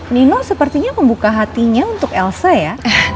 nino sepertinya membuka hatinya untuk elsa ya